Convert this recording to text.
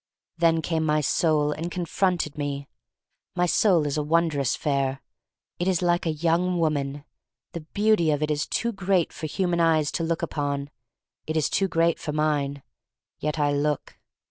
Then came my soul and confronted me. My soul is wondrous fair. It is like a young woman. The beauty of it is too great for human eyes to look upon. It is too great for mine. Yet I look.